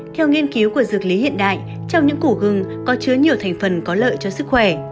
theo nghiên cứu của dược lý hiện đại trong những củ gừng có chứa nhiều thành phần có lợi cho sức khỏe